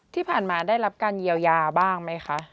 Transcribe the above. ที่ผ่านมาได้รับการเยียวยาบ้างไหมคะ